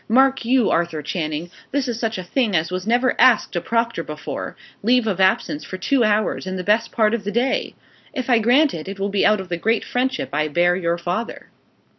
Mark you, Arthur Channing, this is such a thing as was never asked a proctor before leave of absence for two hours in the best part of the day! If I grant it, it will be out of the great friendship I bear your father."